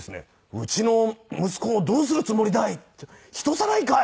「うちの息子をどうするつもりだい？」って「人さらいかい？」